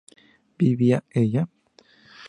¿vivía ella?